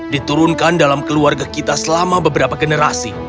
diturunkan dalam keluarga kita selama beberapa generasi